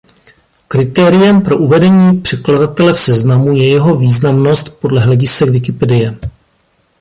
Kritériem pro uvedení překladatele v seznamu je jeho významnost podle hledisek Wikipedie.